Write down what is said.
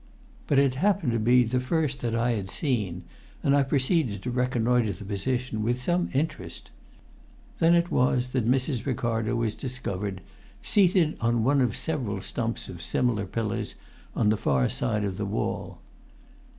But it happened to be the first that I had seen, and I proceeded to reconnoitre the position with some interest. Then it was that Mrs. Ricardo was discovered, seated on one of several stumps of similar pillars, on the far side of the wall.